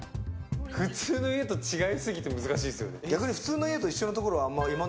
普通の家と違いすぎて、難しいですね。